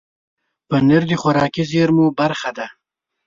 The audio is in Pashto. پنېر د خوراکي زېرمو برخه ده.